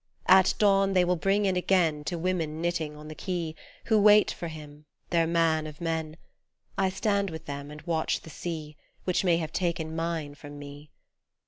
At dawn they will bring in again To women knkting on the quay Who wait for him, their man of men ; I stand with them, and watch the sea Which may have taken mine from me.